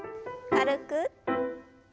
軽く。